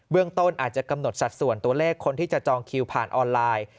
ต้นอาจจะกำหนดสัดส่วนตัวเลขคนที่จะจองคิวผ่านออนไลน์